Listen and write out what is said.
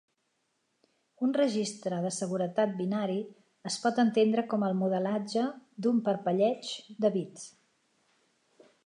Un registre de seguretat binari es pot entendre com el modelatge d'un parpelleig de bits.